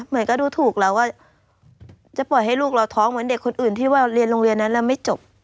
เหมือนก็ดูถูกแล้วว่าจะปล่อยให้ลูกเราท้องเหมือนเด็กคนอื่นที่ว่าเรียนโรงเรียนนั้นแล้วไม่จบ